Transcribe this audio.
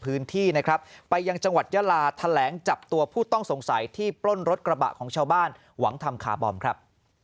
พื้นที่นะครับไปยังจังหวัดยาลาแถลงจับตัวผู้ต้องสงสัยที่ปล้นรถกระบะของชาวบ้านหวังทำคาร์บอมครับ